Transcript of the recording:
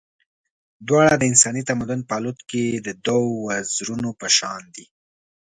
دواړه د انساني تمدن په الوت کې د دوو وزرونو په شان دي.